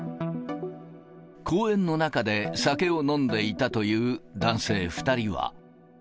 公園の中で酒を飲んでいたという男性２人は。